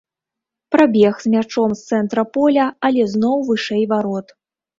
Прабег з мячом з цэнтра поля, але зноў вышэй варот.